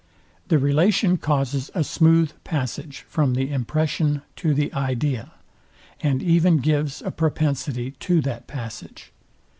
The relation causes a smooth passage from the impression to the idea, and even gives a propensity to that passage.